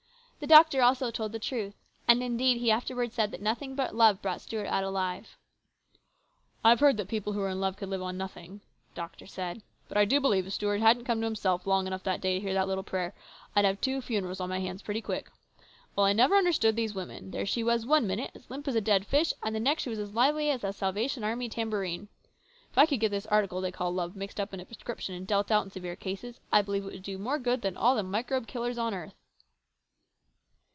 The doctor also told the truth. And indeed he afterwards said that nothing but love brought Stuart out alive. " I've heard that people who were in love could live on nothing," the doctor said, " but I do believe if Stuart hadn't come to himself long enough that day to hear that little prayer, I'd have had two funerals on my hands pretty quick. Well, I never understood these women. There she was one minute as limp as a dead fish, and the next she was as lively as a Salvation Army tambourine. If I could get this article they call love mixed up in a prescription, and deal it out in severe cases, I believe it would do more good than all the microbe killers on earth."